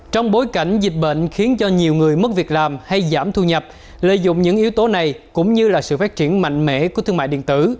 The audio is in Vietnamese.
trong bối cảnh dịch bệnh khiến cho nhiều người mất việc làm hay giảm thu nhập lợi dụng những yếu tố này cũng như là sự phát triển mạnh mẽ của thương mại điện tử